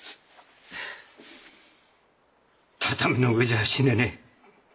畳の上じゃ死ねねえ。